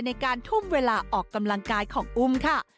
ในการทุ่มเวลาออกกำลังกายของอุ้มค่ะ